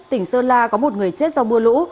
tỉnh sơn la có một người chết do mưa lũ